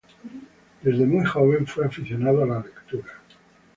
Desde muy joven fue aficionado a la lectura.